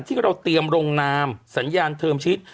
ที่เราเตรียมโรงนามสัญญาณเทิร์มชีวิต